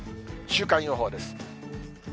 週間予報です。